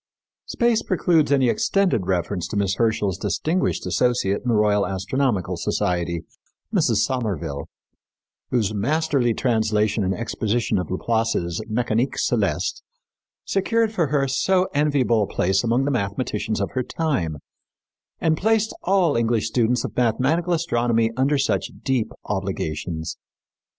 Space precludes any extended reference to Miss Herschel's distinguished associate in the Royal Astronomical Society, Mrs. Somerville, whose masterly translation and exposition of Laplace's Mécanique Céleste secured for her so enviable a place among the mathematicians of her time, and placed all English students of mathematical astronomy under such deep obligations.